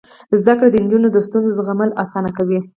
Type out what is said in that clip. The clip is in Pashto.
زده کړه د نجونو د ستونزو زغمل اسانه کوي.